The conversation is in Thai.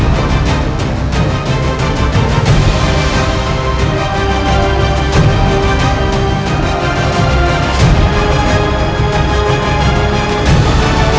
โปรดติดตามตอนต่อไป